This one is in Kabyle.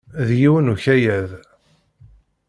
D yiwen ukayad.